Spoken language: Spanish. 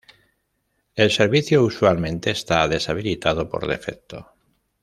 El servicio usualmente está deshabilitado por defecto.